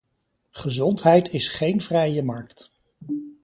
Gezondheid is geen vrije markt.